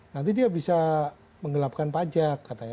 nanti dia bisa menggelapkan pajak katanya